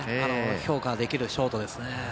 評価できるショートですね。